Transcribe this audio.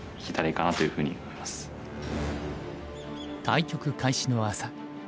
対局開始の朝。